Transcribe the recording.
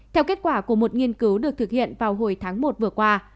theo kết quả của một nghiên cứu được thực hiện vào hồi tháng một vừa qua